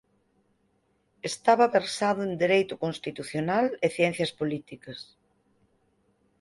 Estaba versado en dereito constitucional e ciencias políticas.